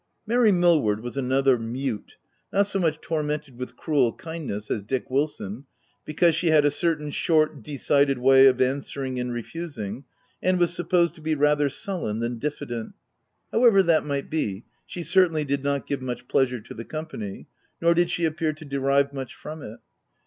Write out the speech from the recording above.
Mary Millward was another mute, — not so much tormented with cruel kindness as Dick Wilson, because she had a certain short, de cided way of answering and refusing, and was supposed to be rather sullen than diffident. However that might be, she certainly did not give much pleasure to the company ;— nor did she appear to derive much from it.